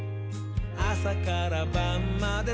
あさからばんまで」